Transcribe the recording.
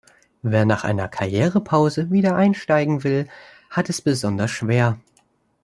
Wer nach einer Karrierepause wieder einsteigen will, hat es besonders schwer.